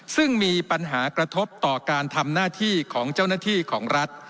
ซึ่งมีปัญหากระทบต่อการทำหน้าที่ของเจ้าหน้าที่ของรัฐ